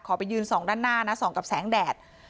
ไปยืนส่องด้านหน้านะส่องกับแสงแดด